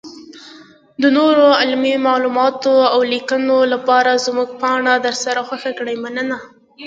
-دنورو علمي معلوماتو اولیکنو لپاره زمونږ پاڼه درسره خوښه کړئ مننه.